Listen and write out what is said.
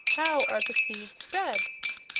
How are the seeds spread? 18.